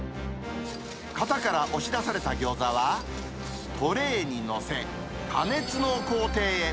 型から押し出されたギョーザは、トレーに載せ、加熱の工程へ。